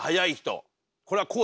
これはこうだ